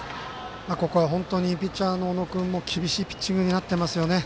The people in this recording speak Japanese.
ここは、本当にピッチャーの小野君も厳しいピッチングになってます。